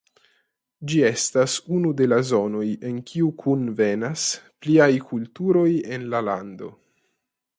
Ĝi estas unu de la zonoj en kiu kunvenas pliaj kulturoj en la lando.